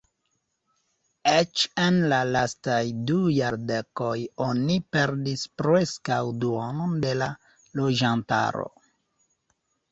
Eĉ en la lastaj du jardekoj oni perdis preskaŭ duonon de la loĝantaro.